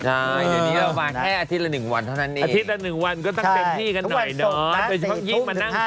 อ๋ออาทิตย์ละ๑วันเท่านั้นเอง